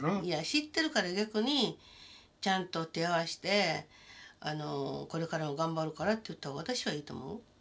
知ってるから逆にちゃんと手を合わせてこれからも頑張るからって言った方が私はいいと思う。